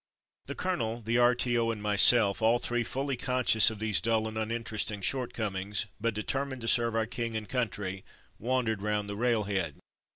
The colonel, the R.T.O. and myself, all three fully conscious of these dull and un interesting shortcomings, but determined to serve our King and country, wandered round the railhead.